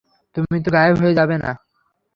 তুমি তো গায়েব হয়ে যাবে না।